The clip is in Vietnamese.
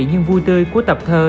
nhưng vui tươi của tập thơ